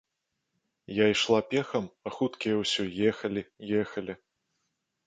Я ішла пехам, а хуткія ўсё ехалі, ехалі.